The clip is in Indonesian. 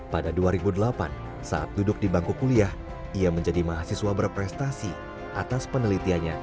pada dua ribu delapan saat duduk di bangku kuliah ia menjadi mahasiswa berprestasi atas penelitiannya